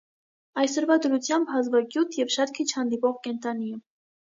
Այսօրվա դրությամբ հազվագյուտ և շատ քիչ հանդիպող կենդանի է։